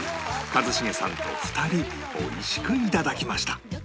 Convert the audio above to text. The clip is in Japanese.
一茂さんと２人美味しく頂きました